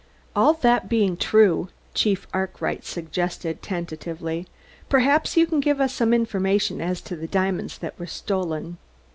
"All that being true," Chief Arkwright suggested tentatively, "perhaps you can give us some information as to the diamonds that were stolen?